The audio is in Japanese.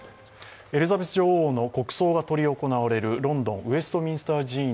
エリザベス女王の国葬が執り行われるロンドン・ウェストミンスター寺院